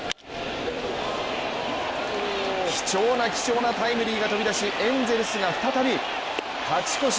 貴重な貴重なタイムリーが飛び出しエンゼルスが再び勝ち越し